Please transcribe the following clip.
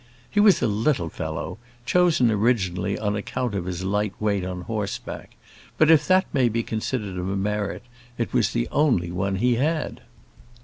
He was a little fellow, chosen originally on account of his light weight on horseback; but if that may be considered a merit, it was the only one he had.